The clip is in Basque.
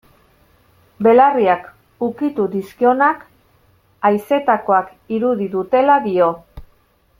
Belarriak ukitu dizkionak, haizetakoak irudi dutela dio.